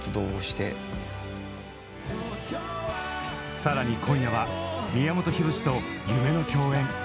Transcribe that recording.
更に今夜は宮本浩次と夢の共演！